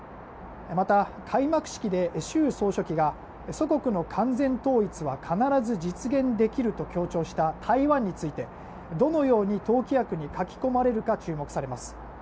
また、開幕式で習総書記が祖国の完全統一は必ず実現できると強調した台湾についてどのように党規約に書き込まれるか注目されます。